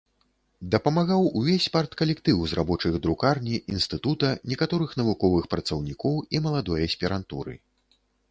Дапамагаў увесь парткалектыў з рабочых друкарні інстытута, некаторых навуковых працаўнікоў і маладой аспірантуры.